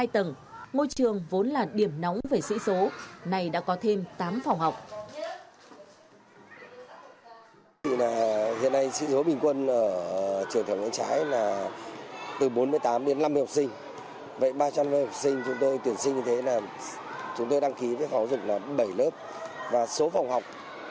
trong hai tầng môi trường vốn là điểm nóng về sĩ số này đã có thêm tám phòng học